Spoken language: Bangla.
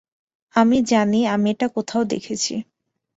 আমি জানি আমি এটা কোথাও দেখেছি।